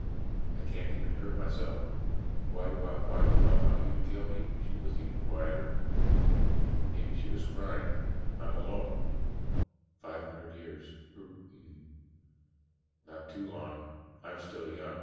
I can't even hurt myself. Why do I want you to kill me?" She was even quieter. Maybe she was crying. "I'm alone. Five hundred years, Eert mn not too long. I'm still young.